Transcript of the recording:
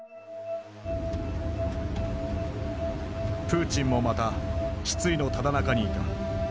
プーチンもまた失意のただ中にいた。